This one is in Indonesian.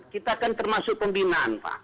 kita kan termasuk pembinaan pak